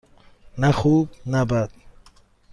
نه خوب - نه بد.